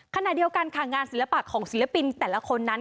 ขณะเดียวกันค่ะงานศิลปะของศิลปินแต่ละคนนั้น